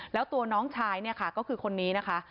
แล้วตัวน้องชายก็คือคนนี้นะคะ